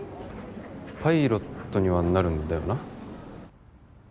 パイロットにはなるんだよな？